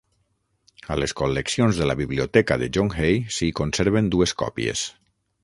A les col·leccions de la Biblioteca de John Hay s'hi conserven dues còpies.